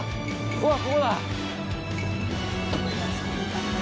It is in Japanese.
うわここだ。